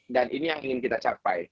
dan ini yang ingin kita capai